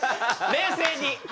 冷静に。